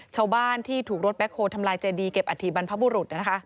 ชาวบ้านที่ถูกรถแบ็คโฮลทำลายเจดีเก็บอัฐิบรรพบุรุษ